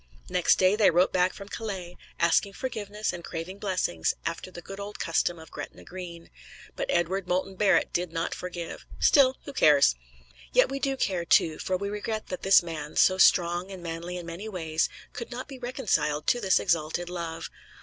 Next day, they wrote back from Calais, asking forgiveness and craving blessings, after the good old custom of Gretna Green. But Edward Moulton Barrett did not forgive still, who cares! Yet we do care, too, for we regret that this man, so strong and manly in many ways, could not be reconciled to this exalted love.